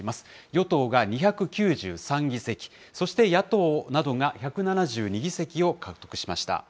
与党が２９３議席、そして野党などが１７２議席を獲得しました。